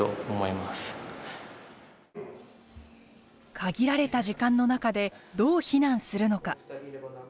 限られた時間の中でどう避難するのか。